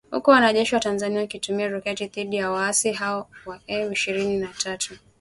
huku wanajeshi wa Tanzania wakitumia roketi dhidi ya waasi hao wa M ishirini na tatu